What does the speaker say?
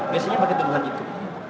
biasanya pakai tuduhan itu